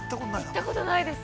◆行ったことないです。